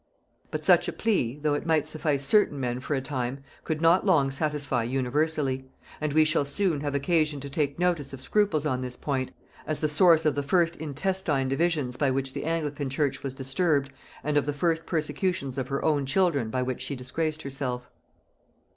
But such a plea, though it might suffice certain men for a time, could not long satisfy universally; and we shall soon have occasion to take notice of scruples on this point, as the source of the first intestine divisions by which the Anglican church was disturbed, and of the first persecutions of her own children by which she disgraced herself.